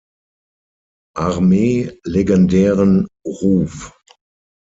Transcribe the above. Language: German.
Armee legendären Ruf.